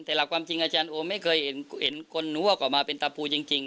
แต่หลักความจริงอาจารย์โอไม่เคยเห็นคนนั่วออกมาเป็นตะปูจริง